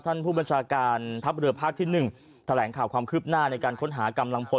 ท่านผู้บัญชาการทัพเรือภาคที่๑แถลงข่าวความคืบหน้าในการค้นหากำลังพล